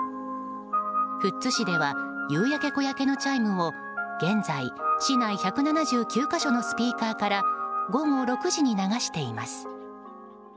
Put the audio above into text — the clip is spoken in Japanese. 富津市では「夕焼け小焼け」のチャイムを現在、市内１７９か所のスピーカーから午後６時に流しています。